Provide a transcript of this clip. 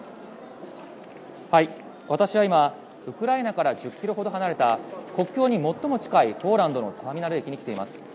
私は今、ウクライナから１０ｋｍほど離れた国境に最も近いポーランドのターミナル駅に来ています。